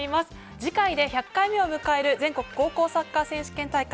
次回で１００回目を迎える、全国高校サッカー選手権大会。